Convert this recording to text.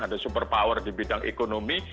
ada super power di bidang ekonomi